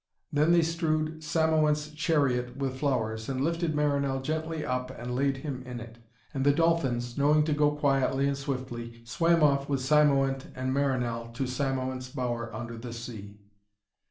Then they strewed Cymoënt's chariot with flowers, and lifted Marinell gently up, and laid him in it. And the dolphins, knowing to go quietly and swiftly, swam off with Cymoënt and Marinell to Cymoënt's bower under the sea.